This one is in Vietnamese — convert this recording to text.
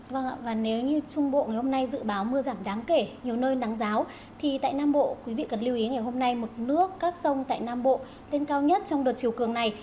vâng ạ và nếu như trung bộ ngày hôm nay dự báo mưa giảm đáng kể nhiều nơi nắng giáo thì tại nam bộ quý vị cần lưu ý ngày hôm nay mực nước các sông tại nam bộ lên cao nhất trong đợt chiều cường này